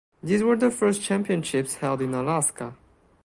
These were the first championships held in Alaska.